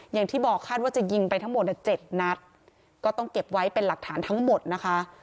อย่างที่บอกคาดว่าจะยิงไปทั้งหมด๗นัดก็ต้องเก็บไว้เป็นหลักฐานทั้งหมดนะคะ